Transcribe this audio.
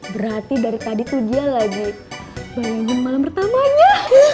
berarti dari tadi tuh dia lagi mainin malam pertamanya